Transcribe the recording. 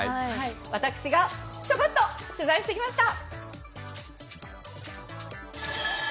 私がちょこっと取材してきました！